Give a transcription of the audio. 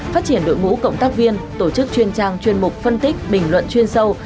phát triển đội ngũ cộng tác viên tổ chức chuyên trang chuyên mục phân tích bình luận chuyên sâu